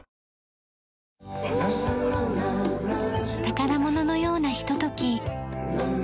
宝物のようなひととき。